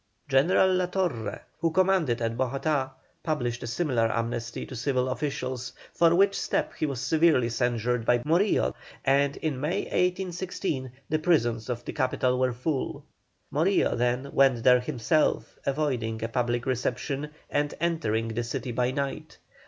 General La Torre, who commanded at Bogotá, published a similar amnesty to civil officials, for which step he was severely censured by Morillo, and in May, 1816, the prisons of the capital were full. Morillo then went there himself, avoiding a public reception and entering the city by night.